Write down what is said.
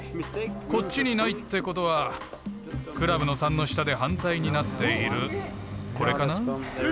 こっちにないってことはクラブの３の下で反対になっているこれかな。